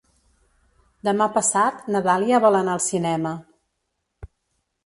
Demà passat na Dàlia vol anar al cinema.